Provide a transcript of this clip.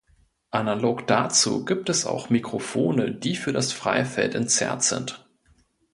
Analog dazu gibt es auch Mikrofone, die für das Freifeld entzerrt sind.